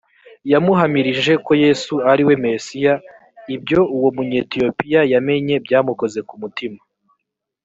yamuhamirije ko yesu ari we mesiya ibyo uwo munyetiyopiya yamenye byamukoze ku mutima